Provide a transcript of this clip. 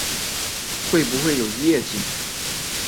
会不会有夜景